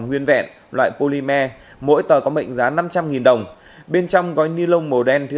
nguyên vẹn loại polymer mỗi tờ có mệnh giá năm trăm linh đồng bên trong gói ni lông màu đen thứ